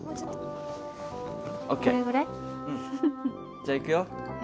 じゃあいくよ。